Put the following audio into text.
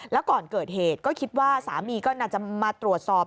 แล้วก่อนเกิดเหตุก็คิดว่าสามีก็น่าจะมาตรวจสอบ